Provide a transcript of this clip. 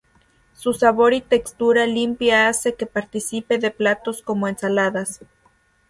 Su sabor y textura limpia hace que participe de platos como ensaladas.